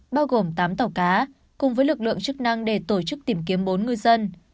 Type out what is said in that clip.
bao gồm tám tàu cá cùng với lực lượng chức năng để tổ chức tìm kiếm bốn ngư dân